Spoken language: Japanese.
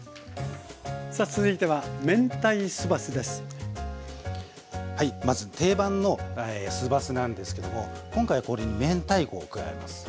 さあ続いてははいまず定番の酢ばすなんですけども今回はこれに明太子を加えます。